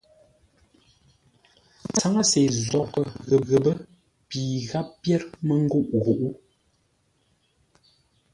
Tsáŋə́se nzóghʼə́ ghəpə́ pi gháp pyér mə́ ngûʼ-ghuʼú.